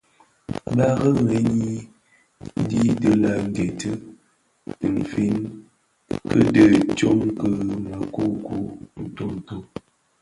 Bè dhëňrëňi dii di lè geeti in nfin kidhi tsom ki měkukuu, ntooto.